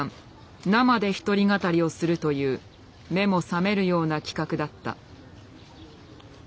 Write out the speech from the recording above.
生で一人語りをするという目も覚めるような企画だった。